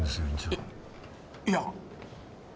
えっいや。